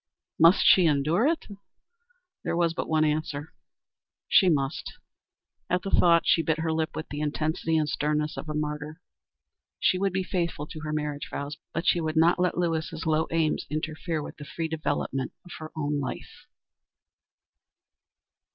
Must she endure it? There was but one answer: She must. At the thought she bit her lip with the intensity and sternness of a martyr. She would be faithful to her marriage vows, but she would not let Lewis's low aims interfere with the free development of her own life.